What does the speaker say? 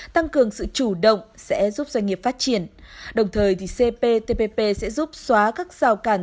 tăng cường sự chủ động sẽ giúp doanh nghiệp phát triển đồng thời cptpp sẽ giúp xóa các rào cản